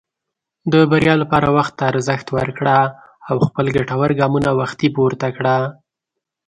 د بریا لپاره وخت ته ارزښت ورکړه، او خپل ګټور ګامونه وختي پورته کړه.